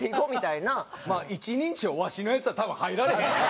まあ一人称わしのヤツは多分入られへんよな。